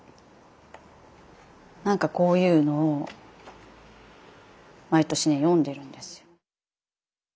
なんかこういうのを毎年ね読んでるんですよ。